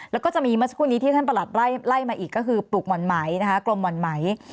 แล้วก็จะมีเมื่อสักครู่นี้ที่ท่านประหลัดไล่มาอีกก็คือปลูกห่อนไหมนะคะกลมหม่อนไหม